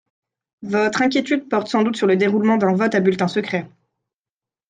Votre inquiétude porte sans doute sur le déroulement d’un vote à bulletin secret.